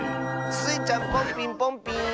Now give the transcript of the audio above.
スイちゃんポンピンポンピーン！